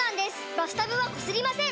バスタブはこすりません！